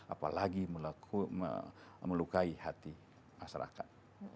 apalagi melukai hati masyarakat